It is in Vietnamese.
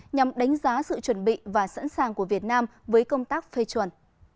nhằm đánh giá sự chuẩn bị và sẵn sàng của việt nam với công tác phê chuẩn